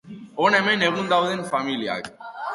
Hona hemen egun dauden familiak